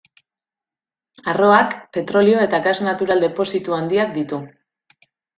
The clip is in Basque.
Arroak petrolio eta gas natural depositu handiak ditu.